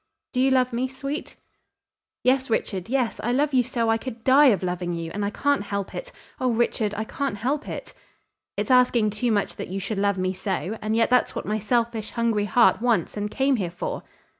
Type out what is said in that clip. "Do you love me, sweet?" "Yes, Richard, yes. I love you so I could die of loving you, and I can't help it. Oh, Richard, I can't help it." "It's asking too much that you should love me so, and yet that's what my selfish, hungry heart wants and came here for."